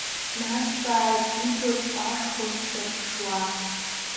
Дназҵааит ибла ҭҟәашқәа сҿарԥшуа.